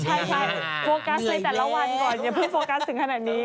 อ๋อใช่โฟกัสในแต่ละวันก่อนอย่าเพิ่งโฟกัสถึงขนาดนี้เหมือนกัน